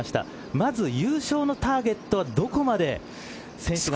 まず優勝のターゲットはどこまで。